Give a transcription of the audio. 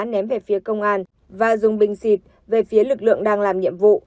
ném về phía công an và dùng bình xịt về phía lực lượng đang làm nhiệm vụ